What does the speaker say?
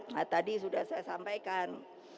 nah tadi sudah saya sampaikan